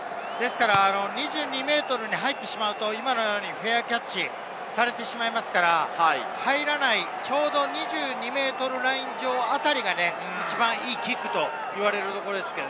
２２ｍに入ってしまうと、今のようにフェアキャッチされてしまいますから、入らない、ちょうど２ｍライン上あたりが一番いいキックと言われるところです。